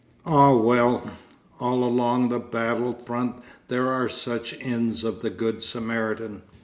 Ah well! all along the battle front there are such Inns of the Good Samaritan.